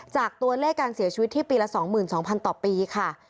จากตัวเลขการเสียชีวิตที่ปีละ๒๒๐๐ต่อปีค่ะ